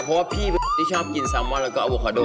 เพราะว่าพี่ที่ชอบกินซาวนน์แล้วก็อัวโอกาโด